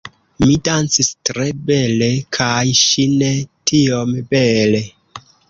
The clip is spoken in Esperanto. Mi dancis tre bele kaj ŝi ne tiom bele